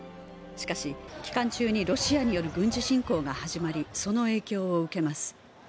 しかし、期間中にロシアによる軍事侵攻が始まり、その影響を受けます。